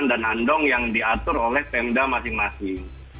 dan handong yang diatur oleh pemda masing masing